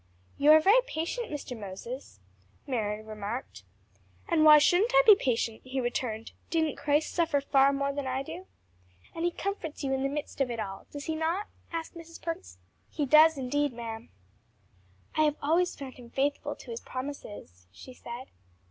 "You are very patient, Mr. Moses," Mary remarked. "And why shouldn't I be patient?" he returned; "didn't Christ suffer far more than I do?" "And he comforts you in the midst of it all, does he not?" asked Mrs. Perkins. "He does, indeed, ma'am." "I have always found him faithful to his promises," she said.